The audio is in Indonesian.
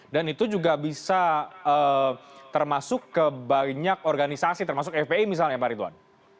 itu juga bisa termasuk ke banyak organisasi termasuk fpi misalnya pak ridwan